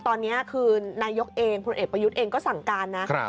ตอนนี้คือนายกเองพลเอกประยุทธ์เองก็สั่งการนะ